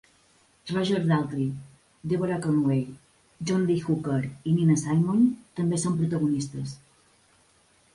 Roger Daltrey, Deborah Conway, John Lee Hooker i Nina Simone també són protagonistes.